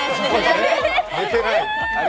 寝てない？